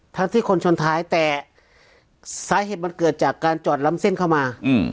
ทั้งที่คนชนท้ายแต่สาเหตุมันเกิดจากการจอดล้ำเส้นเข้ามา